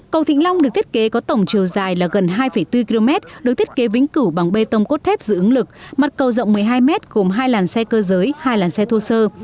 cầu thịnh long được thiết kế có tổng chiều dài là gần hai bốn km được thiết kế vĩnh cửu bằng bê tông cốt thép giữ ứng lực mặt cầu rộng một mươi hai m gồm hai làn xe cơ giới hai làn xe thô sơ